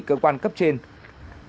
cơ quan lãnh đạo xã nam mẫu